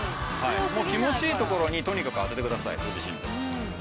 気持ちいい所にとにかく当ててくださいご自身で。